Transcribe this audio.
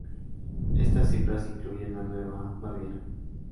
Estas cifras incluyen a Nueva Baviera.